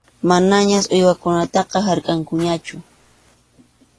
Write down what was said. Manañas uywakunataqa harkʼankuñachu.